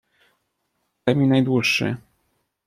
"Daj mi najdłuższy."